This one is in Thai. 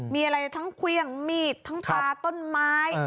มีอะไรทั้งเครื่องมีดทั้งปลาต้นไม้